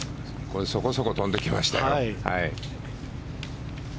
そこそこ飛んできました。